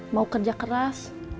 mau kerja keras